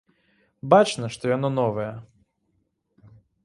Бачна, што яно новае.